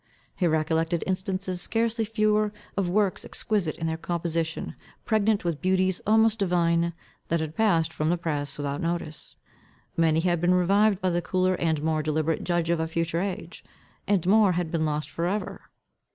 He recollected instances scarcely fewer, of works, exquisite in their composition, pregnant with beauties almost divine, that had passed from the press without notice. Many had been revived by the cooler and more deliberate judgment of a future age; and more had been lost for ever.